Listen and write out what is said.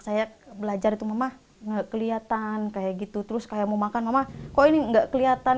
saya belajar itu mama nggak kelihatan kayak gitu terus kayak mau makan mama kok ini enggak kelihatan